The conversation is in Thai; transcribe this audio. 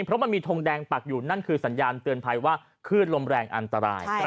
เพราะมันมีทงแดงปักอยู่นั่นคือสัญญาณเตือนภัยว่าคลื่นลมแรงอันตราย